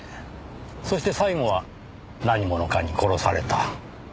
そして最後は何者かに殺された。